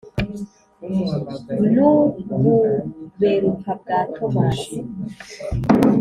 N'u Buberuka bwa Tomasi